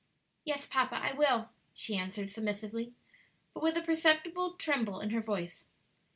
"Yes, papa, I will," she answered submissively, but with a perceptible tremble in her voice.